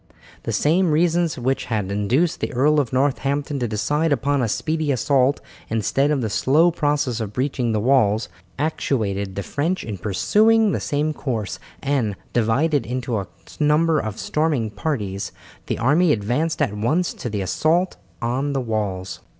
The same reasons which had induced the Earl of Northampton to decide upon a speedy assault instead of the slow process of breaching the walls, actuated the French in pursuing the same course, and, divided into a number of storming parties, the army advanced at once to the assault on the walls.